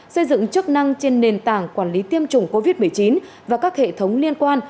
xây dựng chức năng trên nền tảng quản lý tiêm chủng covid một mươi chín và các hệ thống liên quan